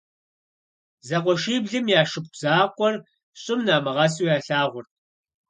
Зэкъуэшиблым я шыпхъу закъуэр щӀым намыгъэсу ялъагъурт.